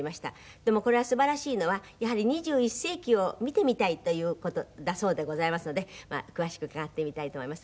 でもこれが素晴らしいのはやはり２１世紀を見てみたいという事だそうでございますので詳しく伺ってみたいと思います。